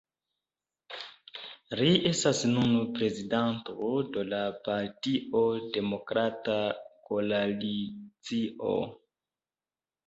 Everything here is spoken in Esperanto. Li estas nun prezidanto de la partio Demokrata Koalicio.